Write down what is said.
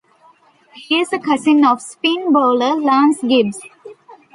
He is a cousin of spin bowler Lance Gibbs.